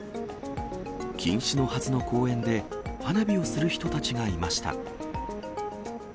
禁止のはずの公園で、花火をする人たちがいました。